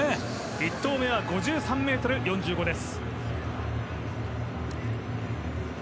１投目は５３ｍ４５です。